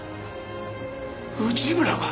内村が？